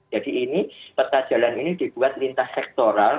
jadi ini peta jalan ini dibuat lintas sektoral